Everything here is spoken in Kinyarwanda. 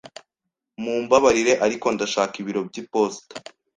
Mumbabarire, ariko ndashaka ibiro by'iposita.